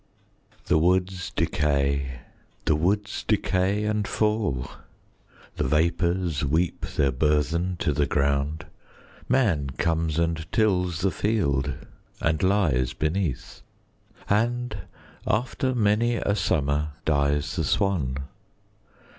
The woods decay, the woods decay and fall, The vapors weep their burthen to the ground, Man comes and tills the field and lies beneath, And after many a summer dies the swan.